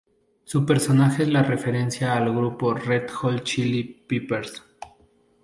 Su personaje es una referencia al grupo Red Hot Chili Peppers.